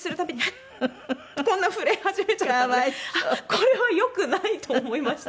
これはよくないと思いまして。